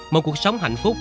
một cuộc sống hạnh phúc